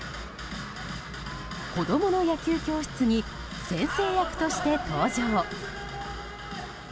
子供の野球教室に先生役として登場。